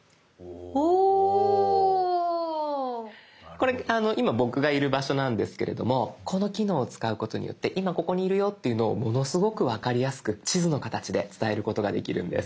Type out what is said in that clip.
これ今僕がいる場所なんですけれどもこの機能を使うことによって今ここにいるよっていうのをものすごく分かりやすく地図の形で伝えることができるんです。